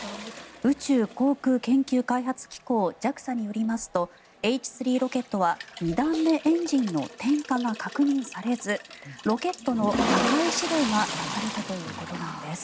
宇宙航空研究開発機構・ＪＡＸＡによりますとＨ３ロケットは２段目エンジンの点火が確認されずロケットの破壊指令が出されたということなんです。